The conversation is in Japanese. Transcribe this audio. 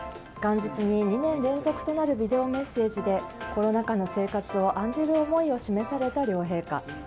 元日に２年連続となるビデオメッセージでコロナ禍の生活を案じる思いを示された両陛下。